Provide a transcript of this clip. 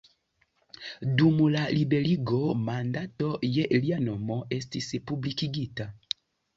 Dum la Liberigo, mandato je lia nomo estis publikigita.